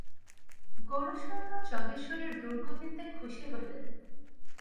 গৌরসুন্দর যজ্ঞেশ্বরের দুর্গতিতে খুশি হইলেন।